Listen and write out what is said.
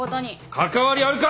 関わりあるか！